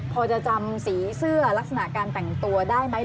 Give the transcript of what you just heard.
พอจะจำสีเสื้อลักษณะการแต่งตัวได้ไหม